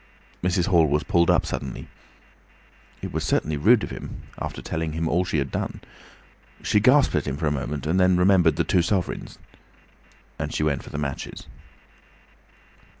Mrs. Hall was pulled up suddenly. It was certainly rude of him, after telling him all she had done. She gasped at him for a moment, and remembered the two sovereigns. She went for the matches.